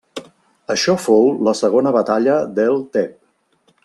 Això fou la segona batalla d'El Teb.